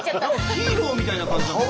ヒーローみたいな感じ。